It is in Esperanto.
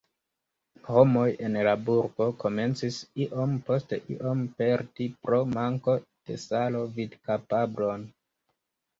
Homoj en la burgo komencis iom post iom perdi pro manko de salo vidkapablon.